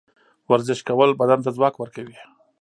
ورزش کول بدن ته ځواک ورکوي.